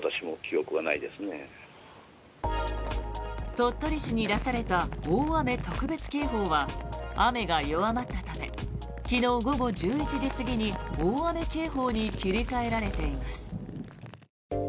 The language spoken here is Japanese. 鳥取市に出された大雨特別警報は雨が弱まったため昨日午後１１時過ぎに大雨警報に切り替えられています。